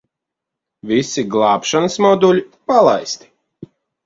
Visi glābšanas moduļi palaisti.